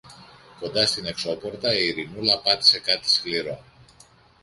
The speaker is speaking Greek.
Κοντά στην εξώπορτα η Ειρηνούλα πάτησε κάτι σκληρό.